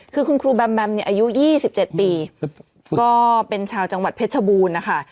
คือครูแบมแบมอายุ๒๗ปีก็เป็นชาวจังหวัดเพชรบูรณ์นะคะ